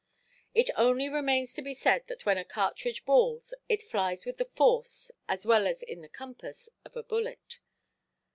It only remains to be said that when a cartridge balls, it flies with the force, as well as in the compass, of a bullet.